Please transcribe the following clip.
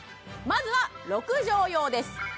まずは６畳用です